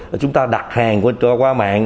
thì chúng ta đặt hàng qua mạng